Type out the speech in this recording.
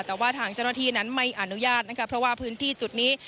แต่ว่าทางเจ้าหน้าที่นั้นไม่อนุญาตนะคะเพราะว่าพื้นที่จุดนี้